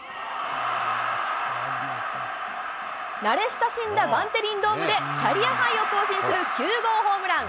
慣れ親しんだバンテリンドームで、キャリアハイを更新する９号ホームラン。